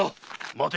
待て！